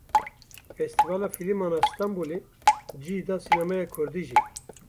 Festîvala Fîlman a Stenbolê cih da sînemaya kurdî jî.